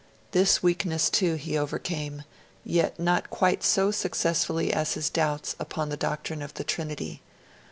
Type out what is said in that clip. This weakness too he overcame, yet not quite so successfully as his doubts upon the doctrine of the Trinity.